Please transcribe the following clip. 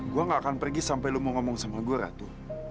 gue gak akan pergi sampai lu mau ngomong sama gue ratu